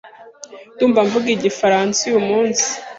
Ndumva mvuga igifaransa uyumunsi.